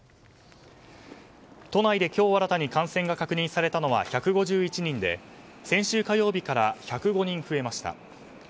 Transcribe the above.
都内で今日新たに感染が確認されたのは１５１人で先週火曜日から１０５人増えました。